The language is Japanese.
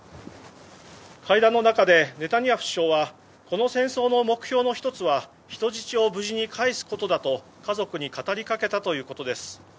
会談の中でネタニヤフ首相はこの戦争の目標の１つは人質を無事に帰すことだと家族に語りかけたということです。